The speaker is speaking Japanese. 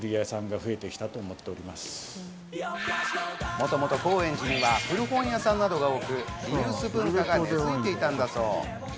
もともと高円寺には古本屋さんなどが多く、リユース文化が根づいていったんだそう。